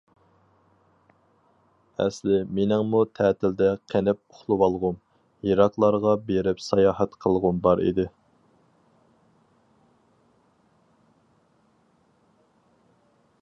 ئەسلىي مېنىڭمۇ تەتىلدە قېنىپ ئۇخلىۋالغۇم، يىراقلارغا بېرىپ ساياھەت قىلغۇم بار ئىدى.